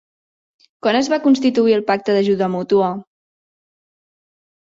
Quan es va constituir el Pacte d'Ajuda Mútua?